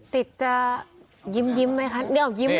ติดจะยิ้มไหมคะนี่อ้าวยิ้มเลย